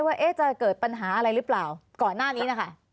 ว่าจะเกิดปัญหาอะไรหรือเปล่าก่อนหน้านี้นะคะ